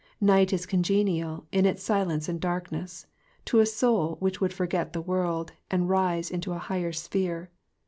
Night is congenial, in its silence and darkness, to a soul which would forget the world, and rise into a higher sphere.